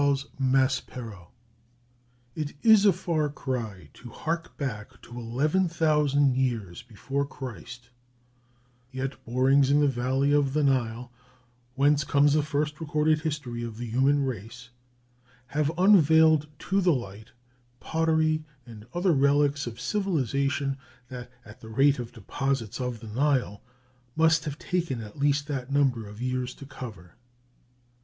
MASPERO It is a far cry to hark back to 11,000 years before Christ, yet borings in the valley of the Nile, whence comes the first recorded history of the human race, have unveiled to the light pottery and other relics of civilization that, at the rate of deposits of the Nile, must have taken at least that number of years to cover.